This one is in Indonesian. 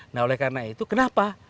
nah oleh karena itu kenapa